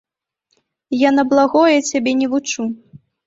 Я на благое цябе не вучу.